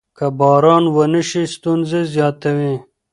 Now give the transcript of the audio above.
که باران ونه شي ستونزې زیاتېږي.